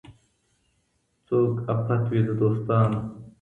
څوک آفت وي د دوستانو